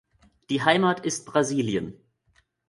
Die Heimat ist Brasilien.